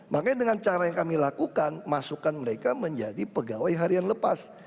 makanya dengan cara yang kami lakukan masukkan mereka menjadi pegawai harian lepas